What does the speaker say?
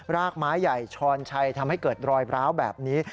รากไม้ใหญ่ช้อนชัยทำให้เกิดรอยร้าวแบบนี้